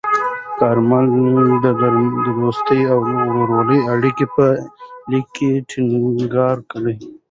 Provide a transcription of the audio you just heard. کارمل د دوستۍ او ورورولۍ اړیکې په لیک کې ټینګار کړې.